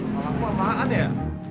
malah aku lamaan ya